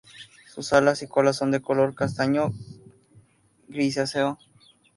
Sus alas y cola son de color castaño grisáceo.